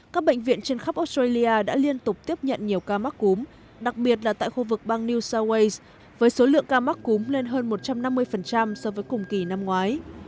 các bệnh viện trên khắp australia đã liên tục tiếp nhận nhiều ca mắc cúm đặc biệt là tại khu vực bang new south wales với số lượng ca mắc cúm lên hơn một trăm năm mươi so với cùng kỳ năm ngoái